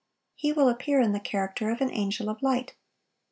He will appear in the character of an angel of light.